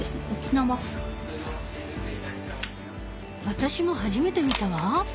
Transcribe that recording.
私も初めて見たわ。